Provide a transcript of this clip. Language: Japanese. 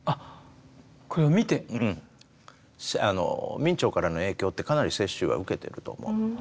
明兆からの影響ってかなり雪舟は受けてると思う。